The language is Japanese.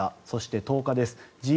そして、１０日です。